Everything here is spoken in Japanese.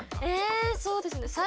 えそうですね。